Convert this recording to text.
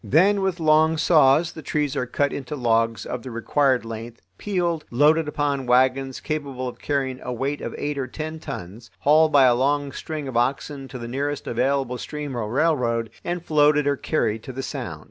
Then with long saws the trees are cut into logs of the required length, peeled, loaded upon wagons capable of carrying a weight of eight or ten tons, hauled by a long string of oxen to the nearest available stream or railroad, and floated or carried to the Sound.